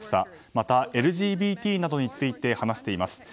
また、ＬＧＢＴなどについて話しています。